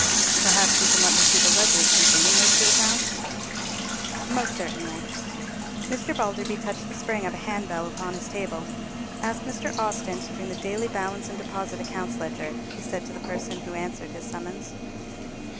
"Perhaps you can let me see the ledgers containing those two accounts?" "Most certainly." Mr. Balderby touched the spring of a handbell upon his table. "Ask Mr. Austin to bring the daily balance and deposit accounts ledgers," he said to the person who answered his summons.